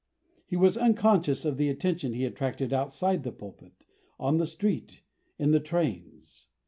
He was quite unconscious of the attention he attracted outside the pulpit, on the street, in the trains.